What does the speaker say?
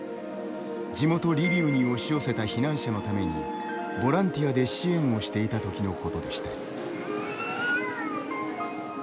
地元リビウに押し寄せた避難者のためにボランティアで支援をしていたときのことでした。